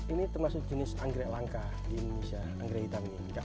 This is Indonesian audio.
ini termasuk jenis anggrek langka di indonesia anggrek hitam ini